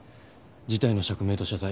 事態の釈明と謝罪。